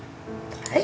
はい。